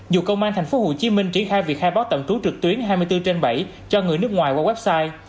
dù công an thành phố hồ chí minh triển khai việc khai báo tạm trú trực tuyến hai mươi bốn trên bảy cho người nước ngoài qua website